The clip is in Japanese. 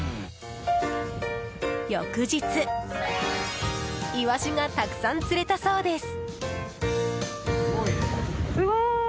翌日、イワシがたくさん釣れたそうです。